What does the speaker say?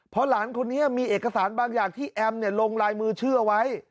เพราะหลานคนนี้มีเอกสารบางอย่างที่แอมลงลายมือชื่อเอาไว้